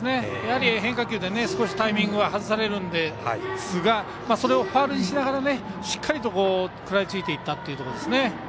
やはり変化球で少し、タイミングは外されるんですがそれをファウルにしながらしっかりと食らいついていったというところですね。